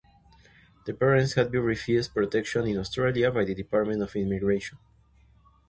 The parents had been refused protection in Australia by the Department of Immigration.